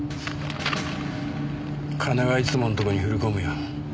金はいつものとこに振り込むよ。